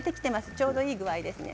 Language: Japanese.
ちょうどいい具合ですね。